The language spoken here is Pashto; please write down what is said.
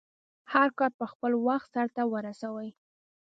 هرکار په خپل وخټ سرته ورسوی